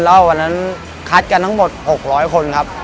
แล้ววันนั้นคัดกันทั้งหมด๖๐๐คนครับ